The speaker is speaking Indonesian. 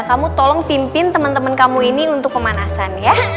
kamu tolong pimpin teman teman kamu ini untuk pemanasan ya